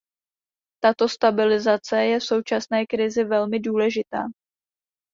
Tato stabilizace je v současné krizi velmi důležitá.